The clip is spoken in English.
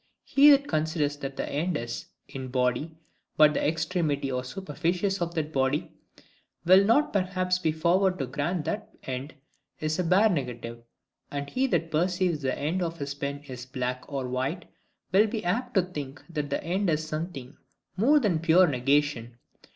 He that considers that the end is, in body, but the extremity or superficies of that body, will not perhaps be forward to grant that the end is a bare negative: and he that perceives the end of his pen is black or white, will be apt to think that the end is something more than a pure negation.